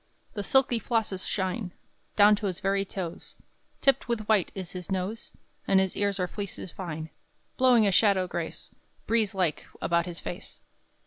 The silky flosses shine Down to his very toes: Tipped with white is his nose: And his ears are fleeces fine, Blowing a shadow grace Breeze like about his face.